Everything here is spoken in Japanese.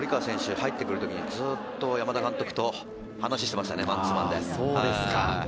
入ってくるときにずっと山田監督と話をしていましたね、マンツーマンで。